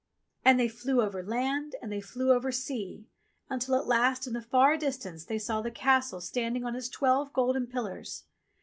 And they flew over land and they flew over sea, until at last in the far distance they saw the Castle standing on its 50 ENGLISH FAIRY TALES twelve golden pillars.